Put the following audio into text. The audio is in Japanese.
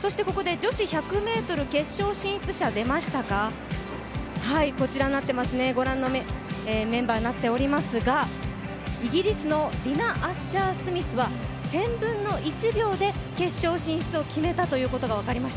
そしてここで女子１００ｍ決勝進出者、こちらになっていますね、ご覧のメンバーになっておりますがイギリスのディナ・アッシャー・スミスは１０００分の１秒差で決勝進出を決めたということが分かりました。